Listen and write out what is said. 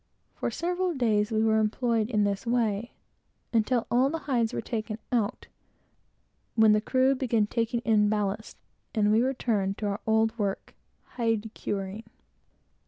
For several days, we were employed in this way, until all the hides were taken out, when the crew began taking in ballast, and we returned to our old work, hide curing.